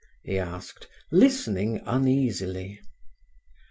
he asked, listening uneasily.